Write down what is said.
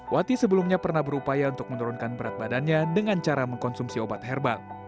wati sebelumnya pernah berupaya untuk menurunkan berat badannya dengan cara mengkonsumsi obat herbal